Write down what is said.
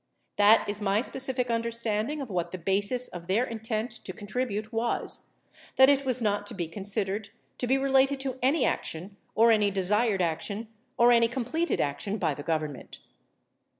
That is my specific understanding of what the basis of their intent to contribute was, that it was not to be considered to be related to any action or any desired action or any completed action by the Government.